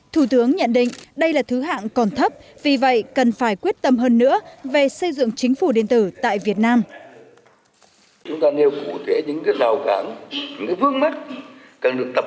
thủ tướng nhận định đây là thứ hạng còn thấp vì vậy cần phải quyết tâm hơn nữa về xây dựng chính phủ điện tử tại việt nam